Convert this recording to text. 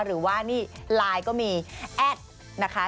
หรือว่านี่ไลน์ก็มีแอดนะคะ